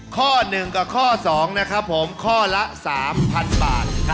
ข้อ๑กับข้อ๒นะครับผมข้อละ๓๐๐๐บาท